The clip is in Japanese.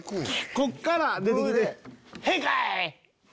こっから出て来て。